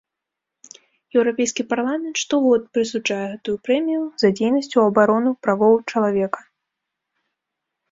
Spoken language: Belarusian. Еўрапейскі парламент штогод прысуджае гэтую прэмію за дзейнасць у абарону правоў чалавека.